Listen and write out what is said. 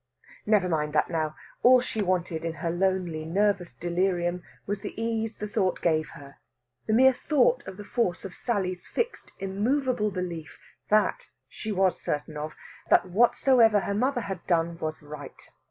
Never mind that now. All she wanted in her lonely, nervous delirium was the ease the thought gave her, the mere thought of the force of Sally's fixed, immovable belief that she was certain of that whatsoever her mother had done was right.